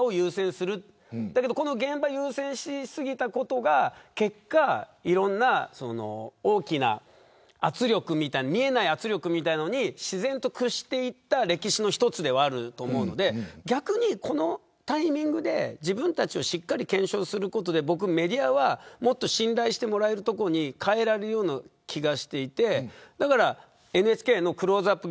だけど現場を優先しすぎたことが結果いろんな大きな圧力みたいな見えない圧力みたいなものに自然と屈していった歴史の一つだと思うので逆にこのタイミングで自分たちをしっかりと検証することでメディアはもっと信頼してもらえるところに変えられるような気がしていてだからＮＨＫのクローズアップ